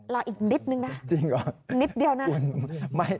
รออีกนิดหนึ่งนะนิดเดียวนะ